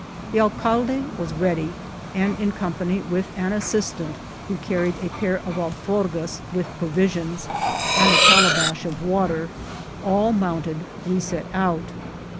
The alcalde was ready, and in company with an assistant, who carried a pair of alforgas with provisions and a calabash of water, all mounted, we set out.